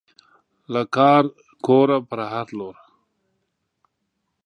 له کارکوړه پر هر لور